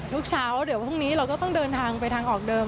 ทุกเช้าเดี๋ยวพรุ่งนี้เราก็ต้องเดินทางไปทางออกเดิม